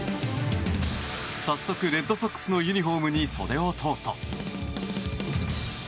早速レッドソックスのユニホームに袖を通すと。